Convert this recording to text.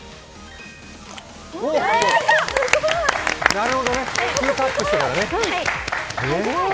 なるほどね、２タップしてからね。